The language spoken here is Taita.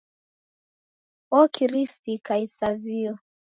Okirisika isavio.